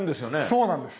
そうなんです。